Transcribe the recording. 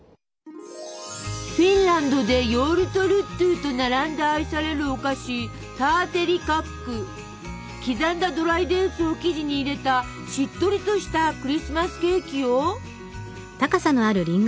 フィンランドでヨウルトルットゥと並んで愛されるお菓子刻んだドライデーツを生地に入れたしっとりとしたクリスマスケーキよ！